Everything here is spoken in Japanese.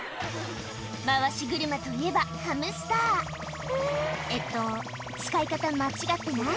回し車といえばハムスターえっと使い方間違ってない？